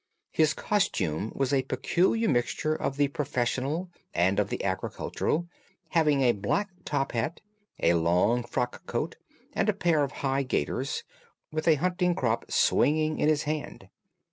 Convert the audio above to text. His costume was a peculiar mixture of the professional and of the agricultural, having a black top hat, a long frock coat, and a pair of high gaiters, with a hunting crop swinging in his hand.